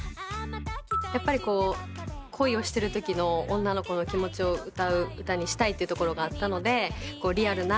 やっぱり恋をしてるときの女の子の気持ちを歌う歌にしたいというところがあったのでリアルな。